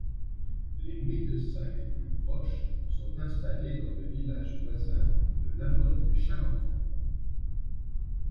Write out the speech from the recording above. Les médecins les plus proches sont installés dans le village voisin de La Motte-Chalancon.